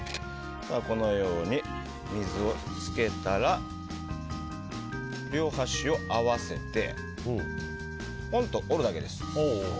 水をつけたら両端を合わせてポンと折るだけです。